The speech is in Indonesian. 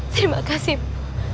terima kasih ibu